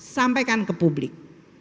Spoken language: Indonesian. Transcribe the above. sampaikan ke publik